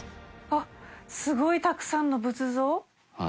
あっすごいたくさんの仏像。